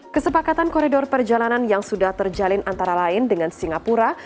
kesepakatan koridor perjalanan yang sudah terjalin antara lain dengan singapura